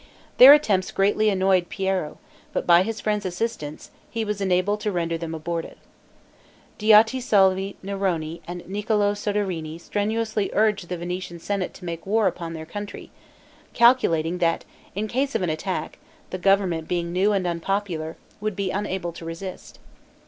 Their attempts greatly annoyed Piero; but by his friends' assistance, he was enabled to render them abortive. Diotisalvi Neroni and Niccolo Soderini strenuously urged the Venetian senate to make war upon their country, calculating, that in case of an attack, the government being new and unpopular, would be unable to resist.